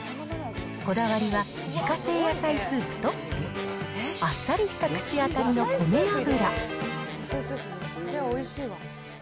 こだわりは自家製野菜スープと、あっさりした口当たりの米油。